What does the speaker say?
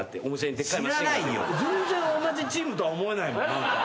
全然同じチームとは思えないもん。